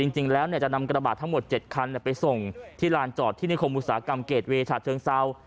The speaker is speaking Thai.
จริงแล้วจะนำกระบาดทั้งหมด๗คันไปส่งที่ลานจอดที่นิคมอุตสาหกรรมเกรดเวชาเชิงเซา